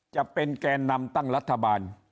จะเป็นแก่นำตั้งรัฐบาล